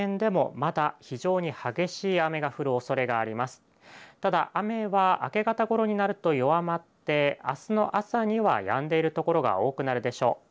ただ雨は明け方ごろになると弱まってあすの朝にはやんでいるところが多くなるでしょう。